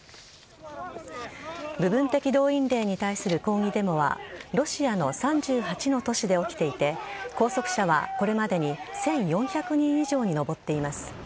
部分的動員令に対する抗議デモはロシアの３８の都市で起きていて拘束者はこれまでに１４００人以上に上っています。